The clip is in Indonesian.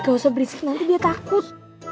gausah berisik nanti dia takut